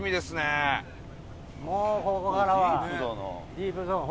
ディープゾーン。